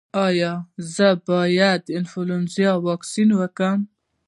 ایا زه باید د انفلونزا واکسین وکړم؟